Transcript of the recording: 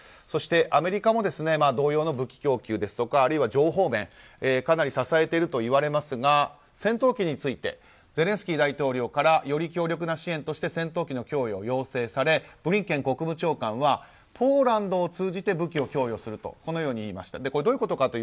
そして、アメリカも同様の武器供給ですとかあるいは情報面かなり支えているといわれますが戦闘機についてゼレンスキー大統領からより強力な支援として戦闘機の供与を要請されてブリンケン国務長官はポーランドを通じて武器を供与するといいました。